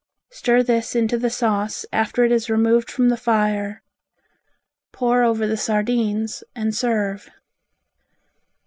Stir this into the sauce after it is removed from the fire. Pour over the sardines and serve.